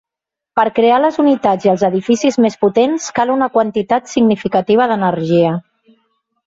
Per crear les unitats i els edificis més potents cal una quantitat significativa d'energia.